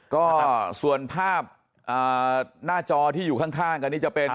ก็ส่วนภาพหน้าจอที่อยู่ข้างกันนี่จะเป็น